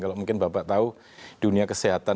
kalau mungkin bapak tahu dunia kesehatan